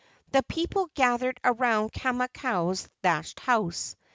The people gathered around Kamakau'sthatchedhouse.